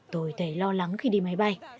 tôi thấy lo lắng khi đi máy bay